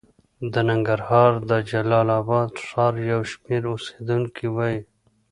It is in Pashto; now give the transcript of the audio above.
د ننګرهار د جلال اباد ښار یو شمېر اوسېدونکي وايي